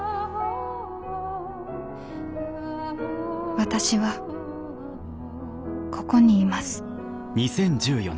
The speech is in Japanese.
「わたしは、ここにいます」